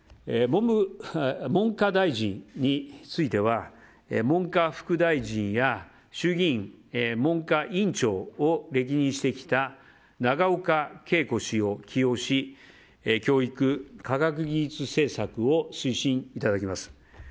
文科大臣については文科副大臣や衆議院文科委員長を歴任してきた永岡桂子氏を起用し教育科学技術政策を推進いただきます。